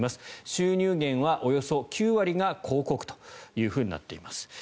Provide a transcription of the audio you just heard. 収入源はおよそ９割が広告となっています。